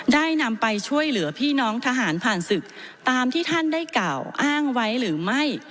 ได้นำไปช่วยเหลือพี่น้องทหารผ่านศึกตามที่ท่านได้กล่าวอ้างไว้หรือไม่